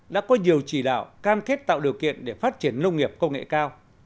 đã có nhiều chỉ đạo cam kết tạo điều kiện để phát triển nông nghiệp công nghệ cao